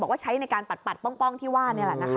บอกว่าใช้ในการปัดปัดป้องป้องที่ว่าเนี่ยแหละนะฮะ